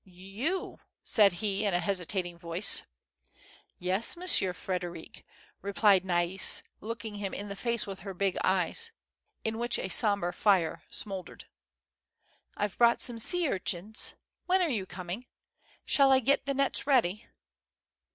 "You !" said he, in a hesitating voice. "Yes, Monsieur Frederic," replied FTais, looking him in the face Avith her big eyes, in Avhich a sombre fire smouldered. "I've brought some sea urchins. When are you coming? Shall I get the nets ready?"